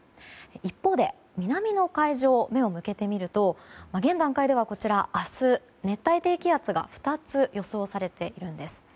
一方で南の海上に目を向けてみると現段階では明日、熱帯低気圧が２つ予想されているんです。